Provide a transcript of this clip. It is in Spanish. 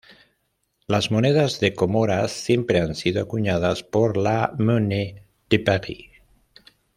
Las monedas de Comoras siempre han sido acuñadas por la "Monnaie de París".